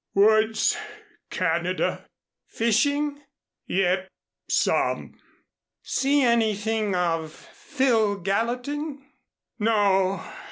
"Woods Canada." "Fishing?" "Yep some." "See anything of Phil Gallatin?" "No.